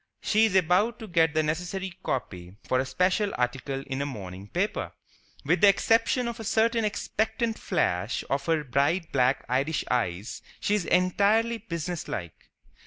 She is about to get the necessary copy for a special article in a morning paper. With the exception of a certain expectant flash of her bright black Irish eyes, she is entirely businesslike.